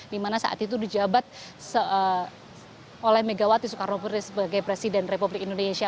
dimana saat itu dijabat oleh megawati soekarno putri sebagai presiden republik indonesia